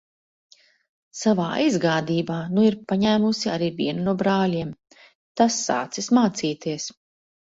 Savā aizgādībā nu ir paņēmusi arī vienu no brāļiem. Tas sācis mācīties.